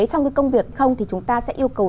trong cái công việc không thì chúng ta sẽ yêu cầu